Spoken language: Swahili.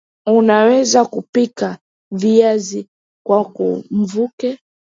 Unaweza kupika Viazi kwa mvuke